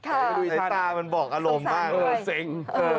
ไอ้ตามันบอกอารมณ์มากเลยเส้ง